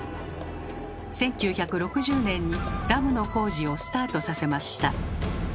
１９６０年にダムの工事をスタートさせました。